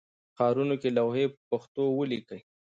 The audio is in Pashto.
ښارونو کې لوحې پښتو ولیکئ